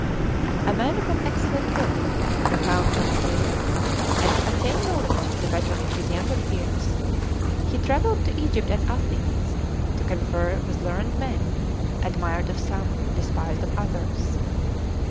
A man of an excellent wit, profound conceit; and to attain knowledge the better in his younger years, he travelled to Egypt and Athens, to confer with learned men, admired of some, despised of others.